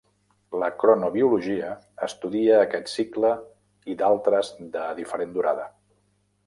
La cronobiologia estudia aquest cicle i d'altres de diferent durada.